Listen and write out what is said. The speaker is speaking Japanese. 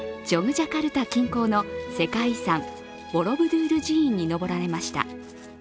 ジャカルタ近郊の世界遺産、ボロブドゥール寺院に上られました。